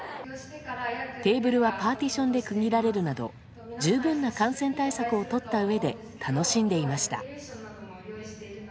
テーブルはパーティションで区切られるなど十分な感染対策をとったうえで楽しんでいました。